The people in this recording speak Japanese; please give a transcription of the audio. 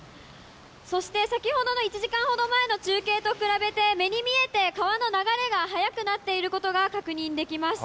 そして先ほどの１時間ほど前の中継と比べて、目に見えて川の流れが速くなっていることが確認できます。